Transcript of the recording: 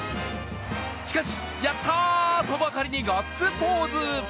しかし、やった！とばかりにガッツポーズ。